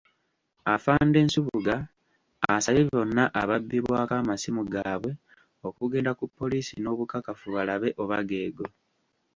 Afande Nsubuga asabye bonna ababbibwako amasimu gaabwe okugenda ku poliisi n'obukakafu balabe oba geego.